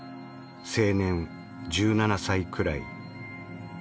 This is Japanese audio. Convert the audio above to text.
青年１７歳くらい」。